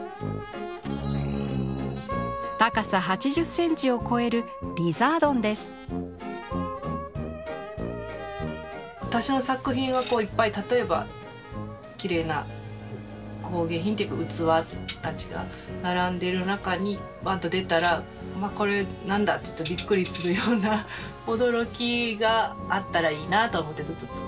高さ８０センチを超える私の作品はこういっぱい例えばきれいな工芸品というか器たちが並んでる中にバーンと出たらこれ何だ？ってびっくりするような驚きがあったらいいなと思ってずっと作ってて。